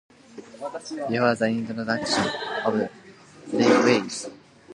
Before the introduction of railways there were comparatively few bull-rings in Spain.